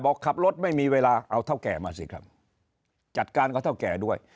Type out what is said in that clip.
ขับรถไม่มีเวลาเอาเท่าแก่มาสิครับจัดการก็เท่าแก่ด้วย